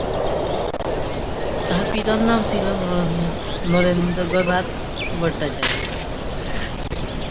তার পিতার নাম নগেন্দ্রনাথ ভট্টাচার্য।